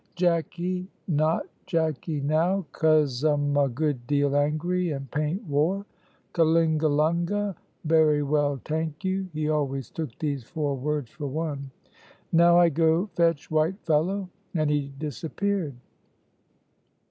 "Jacky not Jacky now, cos um a good deal angry, and paint war. Kalingalunga berywelltanku" (he always took these four words for one). "Now I go fetch white fellow;" and he disappeared.